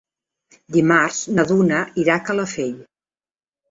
Dimarts na Duna irà a Calafell.